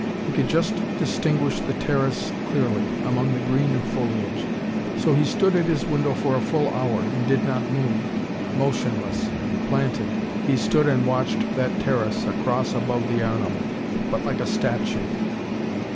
He could just distinguish the terrace clearly, among the green of foliage. So he stood at his window for a full hour, and did not move. Motionless, planted, he stood and watched that terrace across above the Arno. But like a statue.